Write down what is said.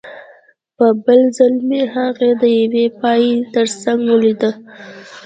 په بل ځل مې هغه د یوې پایې ترڅنګ ولیده